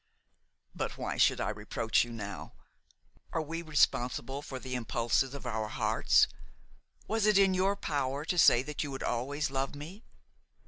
"But why should I reproach you now? Are we responsible for the impulses of our hearts? was it in your power to say that you would always love me?